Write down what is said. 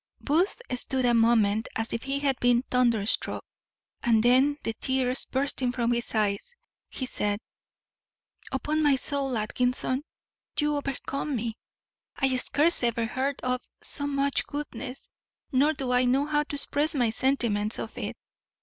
Booth stood a moment, as if he had been thunderstruck, and then, the tears bursting from his eyes, he said, "Upon my soul, Atkinson, you overcome me. I scarce ever heard of so much goodness, nor do I know how to express my sentiments of it.